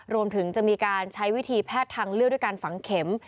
รวมถึงจะมีการใช้วิธีแพทย์ทางเลือกด้วยการฝังเข็ม